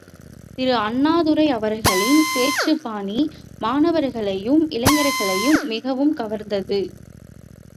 திரு அண்ணாதுரை அவர்களின் பேச்சுப்பாணி மாணவர்களையும், இளைஞர்களையும் மிகவும் கவர்ந்தது.